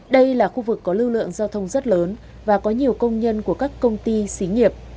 đây là khu vực có lưu lượng giao thông rất lớn và có nhiều công nhân của các công ty xí nghiệp